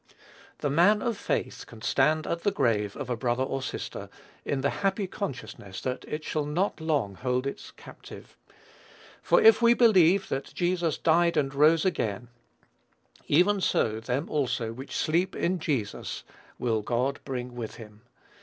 The man of faith can stand at the grave of a brother or sister, in the happy consciousness that it shall not long hold its captive, "For if we believe that Jesus died and rose again, even so them also which sleep in Jesus will God bring with him."